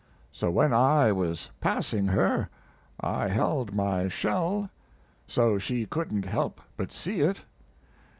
So when I was passing her I held my shell so she couldn't help but see it.